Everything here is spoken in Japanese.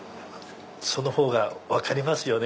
そのほうが分かりますよね